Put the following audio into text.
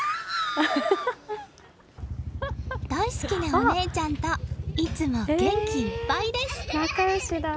大好きなお姉ちゃんといつも元気いっぱいです！